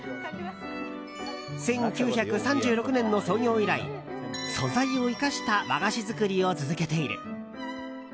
１９３６年の創業以来素材を生かした和菓子作りを続けている。